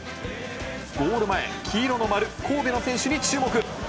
ゴール前黄色の丸、神戸の選手に注目。